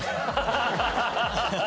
ハハハハ！